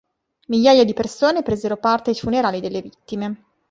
Migliaia di persone presero parte ai funerali delle vittime.